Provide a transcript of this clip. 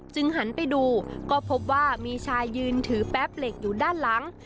หันไปดูก็พบว่ามีชายยืนถือแป๊บเหล็กอยู่ด้านหลัง